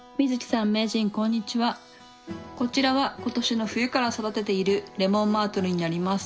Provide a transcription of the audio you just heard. こちらは今年の冬から育てているレモンマートルになります。